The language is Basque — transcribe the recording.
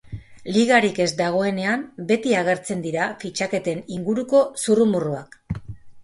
Ligarik ez dagoenean beti agertzen dira fitxaketen inguruko zurrumurruak.